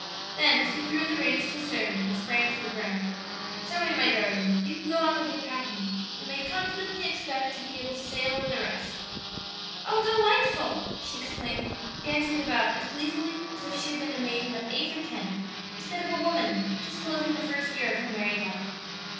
Then, as he threw the reins to a servant and sprang to the ground, "Zoe, my darling, you can go on with your packing; we may confidently expect to be able to sail with the rest." "Oh delightful!" she exclaimed, dancing about as gleefully as if she had been a maiden of eight or ten instead of a woman just closing the first year of her married life.